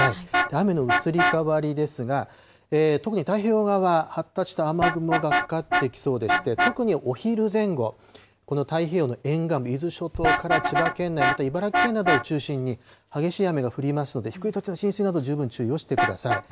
雨の移り変わりですが、特に太平洋側、発達した雨雲がかかってきそうでして、特にお昼前後、この太平洋の沿岸、伊豆諸島から千葉県内、または茨城県内などを中心に激しい雨が降りますので、低い土地の浸水など、十分注意をしてください。